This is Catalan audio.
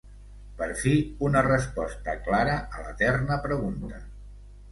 Per fi una resposta clara a l'eterna pregunta.